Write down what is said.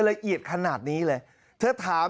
ละเอียดขนาดนี้เลยเธอถาม